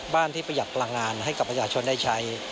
ที่ประหยัดพลังงานให้กับประชาชนได้ใช้